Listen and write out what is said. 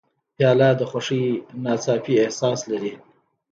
پیاله د خوښۍ ناڅاپي احساس لري.